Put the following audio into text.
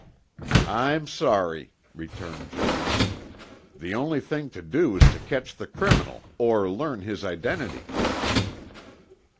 "I'm sorry," returned Jones. "The only thing to do is to catch the criminal or learn his identity."